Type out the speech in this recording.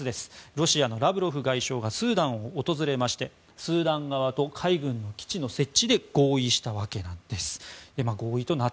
ロシアのラブロフ外相がスーダンを訪れましてスーダン側と海軍の基地の設置で合意したわけなんです。